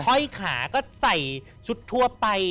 ห้อยขาก็ใส่ชุดทั่วไป